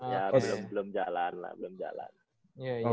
ya belum jalan lah